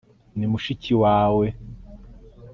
ni mushiki wawe